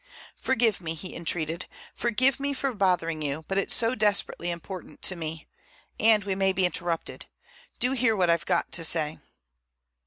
"Forgive me," he entreated, "forgive me for bothering you, but it's so desperately important to me. And we may be interrupted. Do hear what I've got to say."